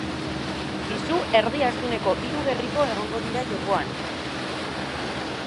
Pisu erdiastuneko hiru gerriko egongo dira jokoan.